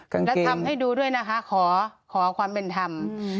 แล้วทำให้ดูด้วยนะคะขอขอความเป็นธรรม